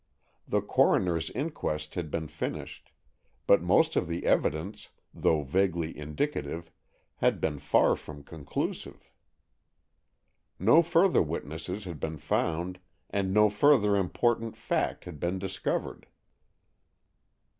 The coroner's inquest had been finished, but most of the evidence, though vaguely indicative, had been far from conclusive. No further witnesses had been found, and no further important fact had been discovered.